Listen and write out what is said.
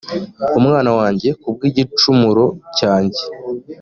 umwana wanjye ku bw igicumuro cyanjye